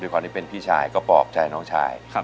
ความที่เป็นพี่ชายก็ปลอบใจน้องชาย